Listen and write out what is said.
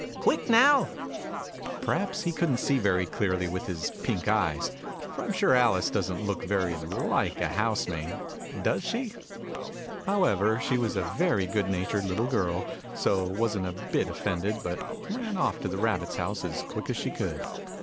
Quick, now !" Perhaps he couldn't see very clearly with his pink eyes : for I'm sure Alice doesn't look very like a housemaid, does she ? However she was a very good natured little girl : so she wasn't a bit offended, but ran off to the Rabbit's house as quick as she could.